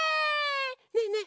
ねえねえ